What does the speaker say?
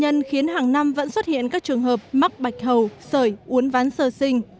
nguyên nhân khiến hàng năm vẫn xuất hiện các trường hợp mắc bạch hầu sởi uốn ván sờ sinh